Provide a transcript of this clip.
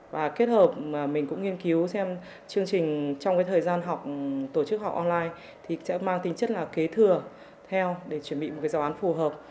và kết hợp mình cũng nghiên cứu xem chương trình trong thời gian học tổ chức học online thì sẽ mang tính chất là kế thừa theo để chuẩn bị một giáo án phù hợp